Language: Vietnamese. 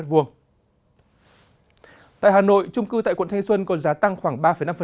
tại hà nội trung cư tại quận thanh xuân còn giá tăng khoảng ba năm